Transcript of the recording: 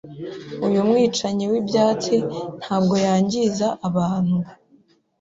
Uyu mwicanyi wibyatsi ntabwo yangiza abantu.